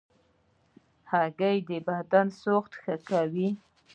هګۍ د بدن سوخت ښه کوي.